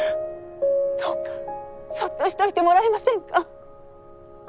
どうかそっとしておいてもらえませんか？